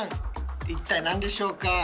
一体何でしょうか？